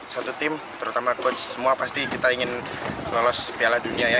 satu tim terutama coach semua pasti kita ingin lolos piala dunia ya